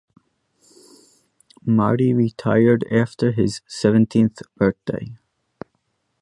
Marty retired after his seventieth birthday.